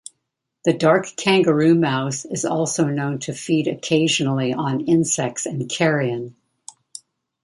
The dark kangaroo mouse is also known to feed occasionally on insects and carrion.